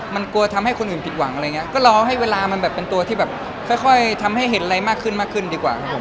มันกลัวทำให้คนอื่นผิดหวังอะไรอย่างเงี้ก็รอให้เวลามันแบบเป็นตัวที่แบบค่อยทำให้เห็นอะไรมากขึ้นมากขึ้นดีกว่าครับผม